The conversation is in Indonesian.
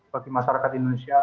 bagi masyarakat indonesia